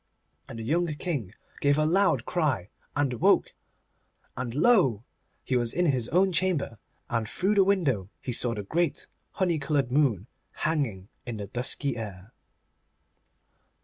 And the young King gave a loud cry and woke, and lo! he was in his own chamber, and through the window he saw the great honey coloured moon hanging in the dusky air.